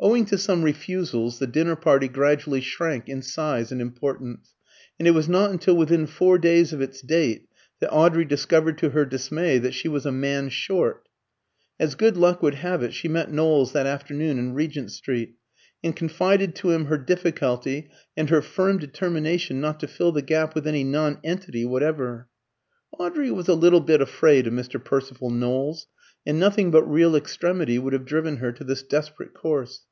Owing to some refusals, the dinner party gradually shrank in size and importance, and it was not until within four days of its date that Audrey discovered to her dismay that she was "a man short." As good luck would have it, she met Knowles that afternoon in Regent Street, and confided to him her difficulty and her firm determination not to fill the gap with any "nonentity" whatever. Audrey was a little bit afraid of Mr. Percival Knowles, and nothing but real extremity would have driven her to this desperate course.